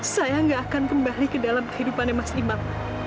saya nggak akan kembali ke dalam kehidupan mas imam